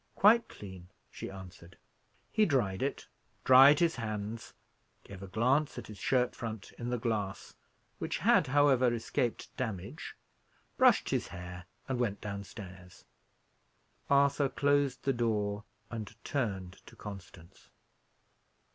"Quite clean," she answered. He dried it, dried his hands, gave a glance at his shirt front in the glass, which had, however, escaped damage, brushed his hair, and went downstairs. Arthur closed the door and turned to Constance.